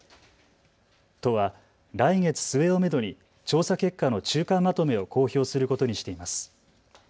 都は来月末をめどに調査結果の中間まとめを公表することにしています。